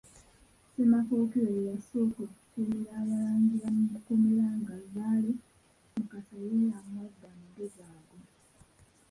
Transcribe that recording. Ssemakookiro ye yasooka okukuumira Abalangira mu kkomera nga Lubaale Mukasa ye amuwadde amagezi ago.